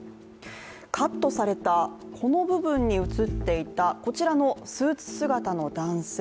カットされたこの部分に写っていたこちらのスーツ姿の男性。